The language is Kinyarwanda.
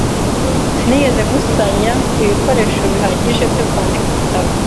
Sinigeze nkusanya ibikoresho bihagije byo kwandika igitabo.